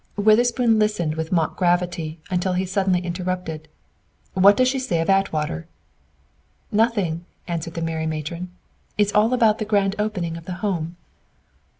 Witherspoon listened with a mock gravity, until he suddenly interrupted, "What does she say of Atwater?" "Nothing," answered the merry matron. "It's all about the grand opening of the Home."